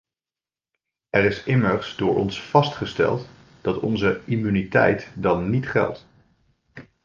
Er is immers door ons vastgesteld dat onze immuniteit dan niet geldt.